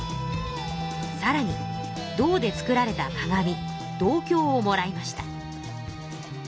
さらに銅で作られた鏡銅鏡をもらいました。